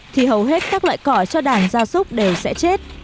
thì hầu hết các loại cỏ cho đàn gia súc đều sẽ chết